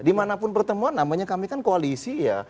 dimanapun pertemuan namanya kami kan koalisi ya